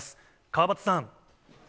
川畑さん。